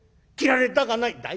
「斬られたかない！」。